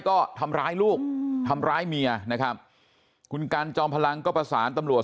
ก็ทำร้ายลูกทำร้ายเมียนะครับคุณกันจอมพลังก็ประสานตำรวจ